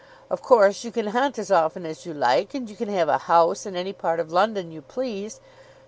Of course you can hunt as often as you like, and you can have a house in any part of London you please.